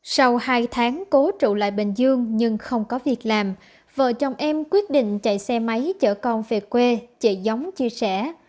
sau hai tháng cố trụ lại bình dương nhưng không có việc làm vợ chồng em quyết định chạy xe máy chở con về quê chạy giống chia sẻ